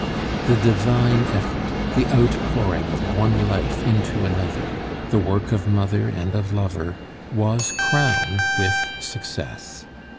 The divine effort, the outpouring of one life into another, the work of mother and of lover, was crowned with success.